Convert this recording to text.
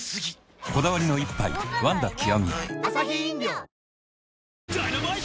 こだわりの一杯「ワンダ極」